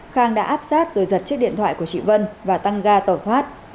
khang đã áp sát rồi giật chiếc điện thoại của chị vân và tăng ga tẩu thoát